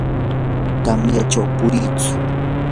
tamyachaw puriitsu.